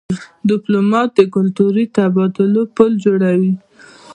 ډيپلومات د کلتوري تبادلو پل جوړوي.